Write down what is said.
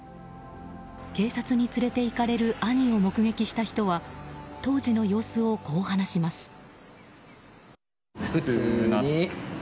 警察に連れていかれる兄を目撃した人は当時の様子をこう話します。